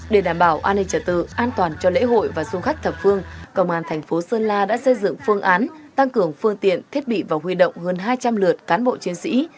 để đảm bảo an ninh trả tự an toàn cho lễ hội và xuân khách thập phương công an thành phố sơn la đã xây dựng phương án tăng cường phương tiện thiết bị và huy động hơn hai trăm linh lượt cán bộ chiến sĩ